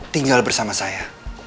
tinggal bersama saya